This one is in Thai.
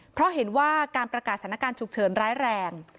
เพราะเห็นว่าการประกาศสถานการณ์ฉุกเฉินร้ายแรง